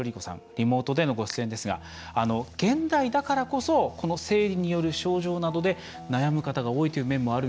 リモートでのご出演ですが現代だからこそ生理による症状などで悩む方が多いという面もあるんですか？